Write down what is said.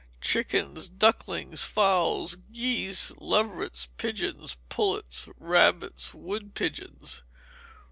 Chickens, ducklings, fowls, geese, leverets, pigeons, pullets, rabbits; wood pigeons.